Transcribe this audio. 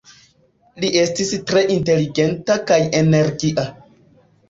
Li estis tre inteligenta kaj energia.